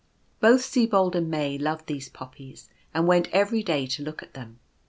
Both Sibold and May loved these Poppies, and went every day to look at them.